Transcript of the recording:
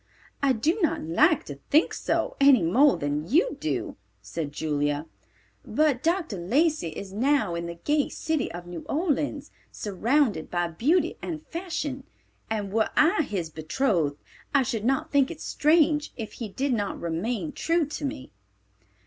"I do not like to think so, any more than you do," said Julia. "But Dr. Lacey is now in the gay city of New Orleans, surrounded by beauty and fashion, and were I his betrothed, I should not think it strange if he did not remain true to me."